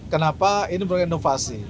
kenapa ini berinovasi